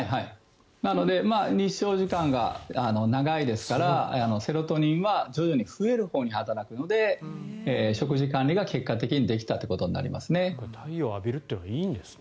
なので日照時間が長いですからセロトニンは徐々に増えるほうに働くので食事管理が結果的にできたということですね。